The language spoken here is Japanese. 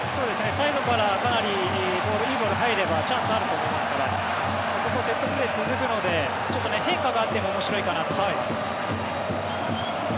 サイドからかなりいいボールが入ればチャンスはあると思いますからここもセットプレー続くのでちょっと変化があっても面白いかなと思います。